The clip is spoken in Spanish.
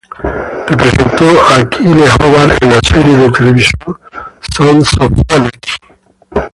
Representó a Kyle Hobart en la serie de televisión "Sons of Anarchy".